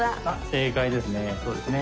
正解ですね